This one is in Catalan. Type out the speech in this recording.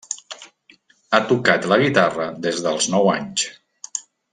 Ha tocat la guitarra des dels nou anys.